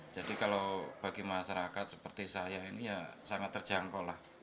jadi kalau bagi masyarakat seperti saya ini ya sangat terjangkau lah